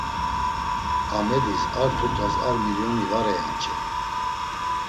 Amedis, ar tutas ar milioni var eyanç̌en.